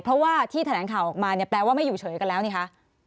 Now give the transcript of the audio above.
เพราะว่าที่แถนข่าวมาแปลว่าไม่อยู่เฉยกันแล้วนี่คะ